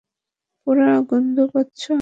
পোড়া গন্ধ পাচ্ছ?